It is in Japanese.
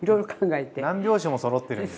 何拍子もそろってるんですね。